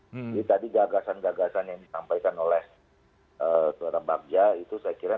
jadi tadi gagasan gagasan yang ditampaikan oleh saudara bagja itu saya kira